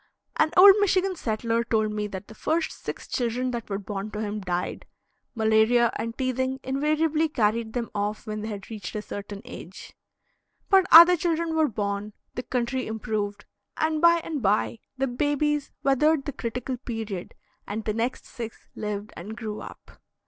An old Michigan settler told me that the first six children that were born to him died; malaria and teething invariably carried them off when they had reached a certain age; but other children were born, the country improved, and by and by the babies weathered the critical period and the next six lived and grew up.